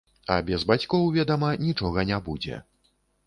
А без бацькоў, ведама, нічога не будзе.